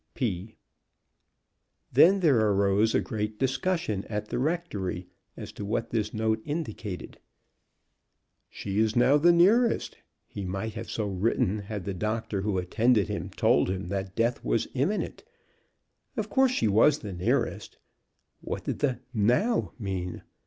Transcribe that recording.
P.P." Then there arose a great discussion at the rectory as to what this note indicated. "She is now the nearest!" He might have so written had the doctor who attended him told him that death was imminent. Of course she was the nearest. What did the "now" mean?